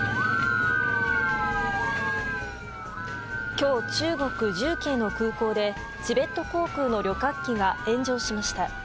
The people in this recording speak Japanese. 今日、中国・重慶の空港でチベット航空の旅客機が炎上しました。